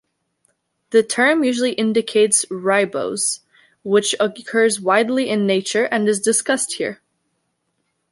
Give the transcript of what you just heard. The term usually indicates -ribose, which occurs widely in nature and is discussed here.